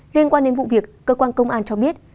liên quan đến vụ việc cơ quan công an cho biết